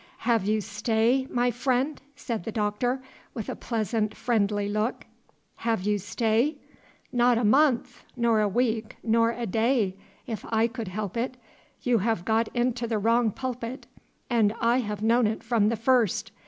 "Have you stay, my friend?" said the Doctor, with a pleasant, friendly look, "have you stay? Not a month, nor a week, nor a day, if I could help it. You have got into the wrong pulpit, and I have known it from the first.